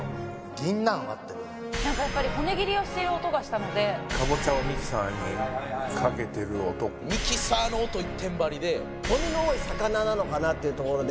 銀杏を割ってる何かやっぱり骨切りをしている音がしたのでかぼちゃをミキサーにかけてる音ミキサーの音一点張りで骨の多い魚なのかなっていうところで